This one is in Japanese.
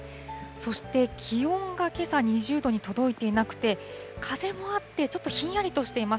そして気温がけさ２０度に届いていなくて、風もあって、ちょっとひんやりとしています。